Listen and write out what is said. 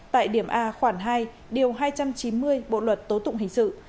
tại điểm a khoản hai điều hai trăm chín mươi bộ luật tố tụng hình sự